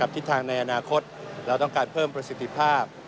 ทิศทางในอนาคตเราต้องการเพิ่มประสิทธิภาพ